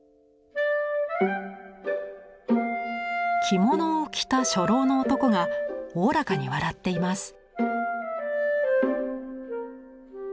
着物を着た初老の男がおおらかに笑っています。